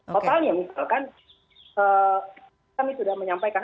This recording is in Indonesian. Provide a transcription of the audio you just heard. totalnya misalkan kami sudah menyampaikan